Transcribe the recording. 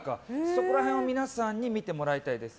そこら辺を皆さんに見てもらいたいです。